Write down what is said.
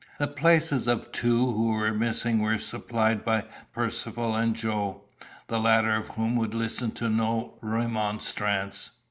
The places of two who were missing were supplied by Percivale and Joe, the latter of whom would listen to no remonstrance.